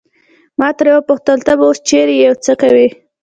ما ترې وپوښتل ته به اوس چیرې یې او څه کوې.